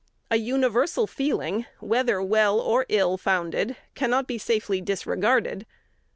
A universal feeling, whether well or ill founded, cannot be safely disregarded.